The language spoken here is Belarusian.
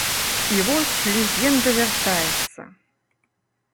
І вось, легенда вяртаецца!